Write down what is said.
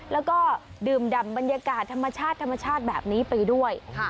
แล้วก็ดื่มดำบรรยากาศธรรมชาติธรรมชาติแบบนี้ไปด้วย